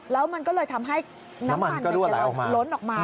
แล้วมันก็เลยทำให้น้ำมันล้นออกมา